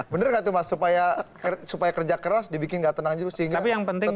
bener gak itu mas supaya kerja keras dibikin tidak tenang juga sehingga tetap membuktikan